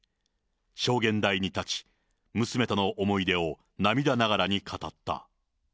証言台に立ち、娘との思い出を涙ながらに語った。